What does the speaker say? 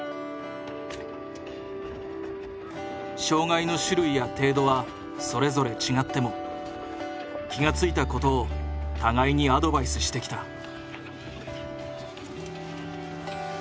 障がいの種類や程度はそれぞれ違っても気が付いたことを互いにアドバイスしてきた。